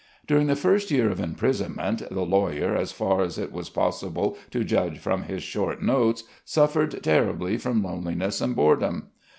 During the first year of imprisonment, the lawyer, as far as it was possible to judge from his short notes, suffered terribly from loneliness and boredom.